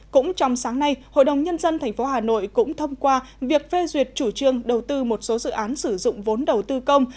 cũng trong sáng nay hội đồng nhân dân tp hà nội cũng thông qua việc phê duyệt chủ trương đầu tư một số dự án sử dụng vốn đầu tư công